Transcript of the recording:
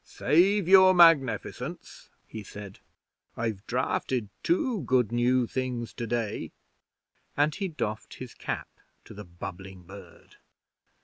''Save Your Magnificence!' he said. 'I've drafted two good new things today.' And he doffed his cap to the bubbling bird.